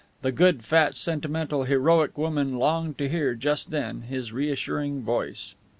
The good, fat, sentimental, heroic woman longed to hear, just then, his reassuring voice.